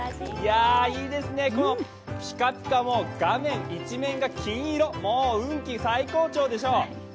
いいですね、ピカピカも、画面一面が金色、もう運気最高潮でしょう。